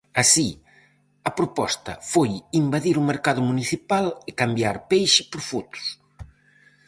Así, a proposta foi invadir o mercado municipal, e cambiar peixe por fotos.